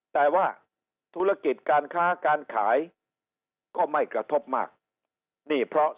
แต่ว่าธุรกิจการค้าการขายก็ไม่กระทบมากนี่เพราะ